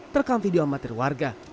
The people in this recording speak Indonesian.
terkam video amatir warga